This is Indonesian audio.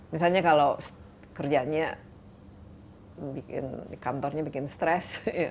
misalnya kalau kerjanya kantornya bikin stress